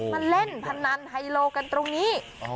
มาเล่นพนันไฮโลกันตรงนี้